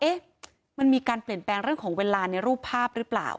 เอ๊ะมันมีการเปลี่ยนแปลงเรื่องของเวลาในรูปภาพหรือเปล่า